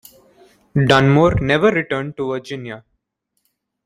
Dunmore never returned to Virginia.